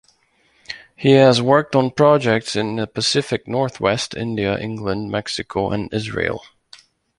He has worked on projects in the Pacific Northwest, India, England, Mexico and Israel.